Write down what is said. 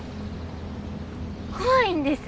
怖いんです。